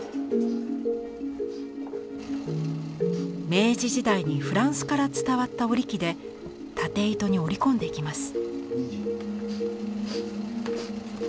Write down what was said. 明治時代にフランスから伝わった織り機で縦糸に織り込んでいきます。